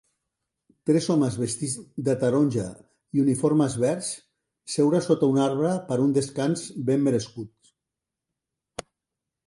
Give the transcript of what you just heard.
Tres homes vestits de taronja i uniformes verds seure sota un arbre per un descans ben merescut